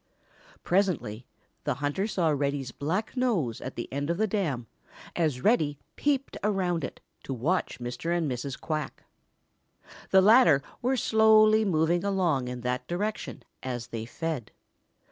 Presently the hunter saw Reddy's black nose at the end of the dam as Reddy peeped around it to watch Mr. and Mrs. Quack. The latter were slowly moving along in that direction as they fed.